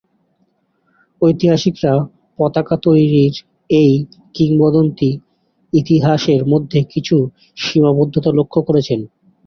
ঐতিহাসিকরা পতাকা তৈরির এই কিংবদন্তী ইতিহাসের মধ্যে কিছু সীমাবদ্ধতা লক্ষ্য করেছেন।